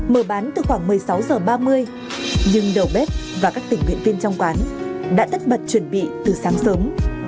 mở bán từ khoảng một mươi sáu h ba mươi nhưng đầu bếp và các tình nguyện viên trong quán đã tất bật chuẩn bị từ sáng sớm